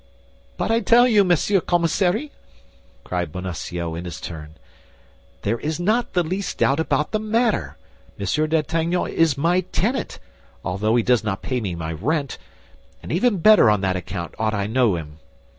"But I tell you, Monsieur Commissary," cried Bonacieux, in his turn, "there is not the least doubt about the matter. Monsieur d'Artagnan is my tenant, although he does not pay me my rent—and even better on that account ought I to know him.